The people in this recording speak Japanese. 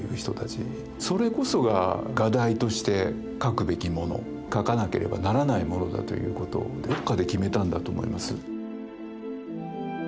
それこそが画題として描くべきもの描かなければならないものだということをどっかで決めたんだと思います。